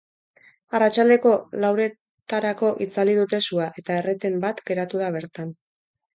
Arratsaldeko lauretarako itzali dute sua eta erreten bat geratu da bertan.